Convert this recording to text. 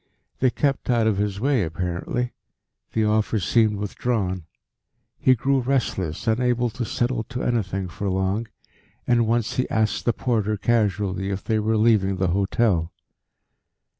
They kept out of his way apparently; the offer seemed withdrawn; he grew restless, unable to settle to anything for long, and once he asked the porter casually if they were leaving the hotel.